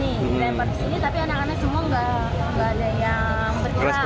dilempar kesini tapi anak anak semua gak ada yang bergerak